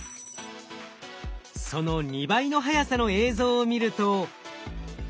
その２倍の速さの映像を見ると。